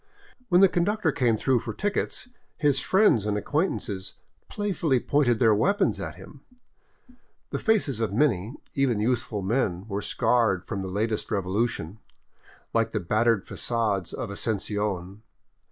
When the con ductor came through for tickets, his friends and acquaintances play fully pointed their weapons at him. The faces of many, even youth ful, men were scarred from the latest revolution, like the battered fagades of Asuncion.